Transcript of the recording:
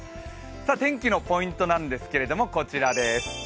天気のポイントなんですけどこちらです。